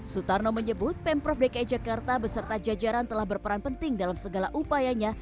sutarno menyebut pemprov dki jakarta beserta jajaran telah berperan penting dalam segala upayanya